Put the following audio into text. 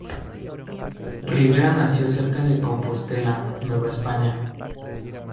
Rivera nació cerca de Compostela, Nueva España.